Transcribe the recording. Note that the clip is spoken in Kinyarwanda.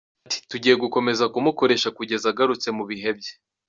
Ati "Tugiye gukomeza kumukoresha kugeza agarutse mu bihe bye.